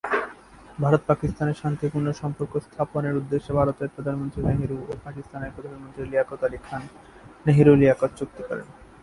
ভারত-পাকিস্তানের শান্তিপূর্ণ সম্পর্ক স্থাপনের উদ্দেশ্য ভারতের প্রধানমন্ত্রী নেহেরু ও পাকিস্তানের প্রধানমন্ত্রী লিয়াকত আলি খান নেহেরু-লিয়াকত চুক্তি করেন।